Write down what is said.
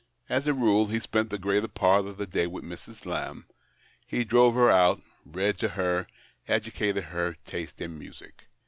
As a rule he spent the greater part of the day with Mrs. Lamb : he drove her out, read to her, educated her taste in music.